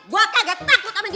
gue kagak takut sama dia